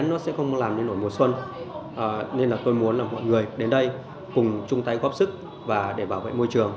nên là tôi muốn là mọi người đến đây cùng chung tay góp sức và để bảo vệ môi trường